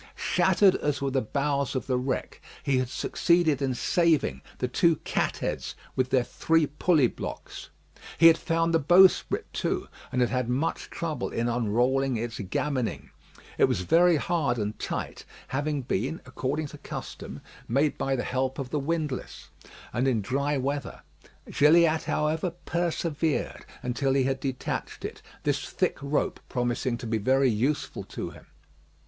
Shattered as were the bows of the wreck, he had succeeded in saving the two cat heads with their three pulley blocks. He had found the bowsprit too, and had had much trouble in unrolling its gammoning; it was very hard and tight, having been, according to custom, made by the help of the windlass, and in dry weather. Gilliatt, however, persevered until he had detached it, this thick rope promising to be very useful to him.